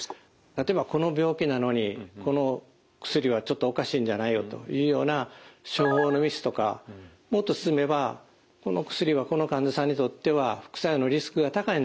例えばこの病気なのにこの薬はちょっとおかしいんじゃないのというような処方のミスとかもっと進めばこの薬はこの患者さんにとっては副作用のリスクが高いんじゃないかと。